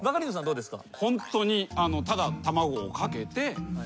どうですか？